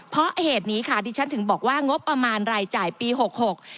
เพราะเหตุนี้ค่ะดิฉันถึงบอกว่างบประมาณรายจ่ายปีหกหก